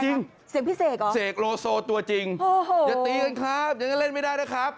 เสียงพี่เสกเหรอเสกโลโซตัวจริงโอ้โหอย่าตีกันครับอย่างนั้นเล่นไม่ได้นะครับ